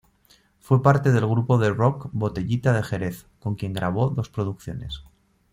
Fue parte del grupo de rock Botellita de Jerez con quien grabó dos producciones.